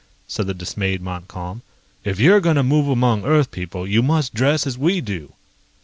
said the dismayed Montcalm. "If you're going to move among Earth people, you must dress as we do."